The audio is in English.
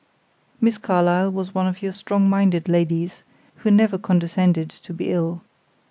Miss Carlyle was one of your strong minded ladies, who never condescended to be ill.